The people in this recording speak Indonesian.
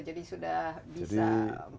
jadi sudah bisa masuk ke mana saja